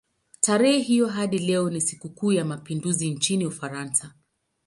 Tarehe hiyo hadi leo ni sikukuu ya mapinduzi nchini Ufaransa.